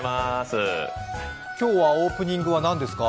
今日はオープニングは何ですか？